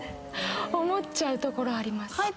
思っちゃうところあります。